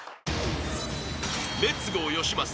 ［レッツゴーよしまさ